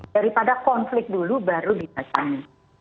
daripada konflik dulu baru didatangi